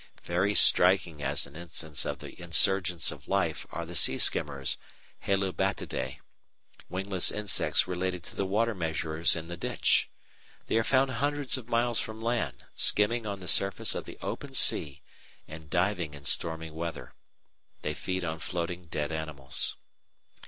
Very striking as an instance of the insurgence of life are the sea skimmers (Halobatidæ), wingless insects related to the water measurers in the ditch. They are found hundreds of miles from land, skimming on the surface of the open sea, and diving in stormy weather. They feed on floating dead animals.